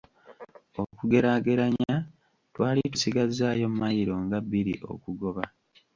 Okugeraageranya, twali tusigazzaayo mailo nga bbiri okugoba.